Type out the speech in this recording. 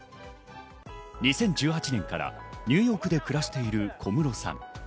２０１８年からニューヨークで暮らしている小室さん。